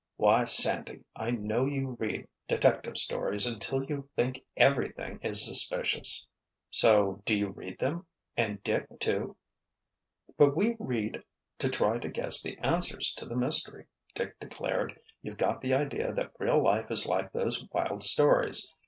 "Why, Sandy! I know you read detective stories until you think everything is suspicious——" "So do you read them—and Dick, too!" "But we read to try to guess the answers to the mystery," Dick declared. "You've got the idea that real life is like those wild stories.